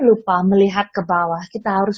lupa melihat kebawah kita harus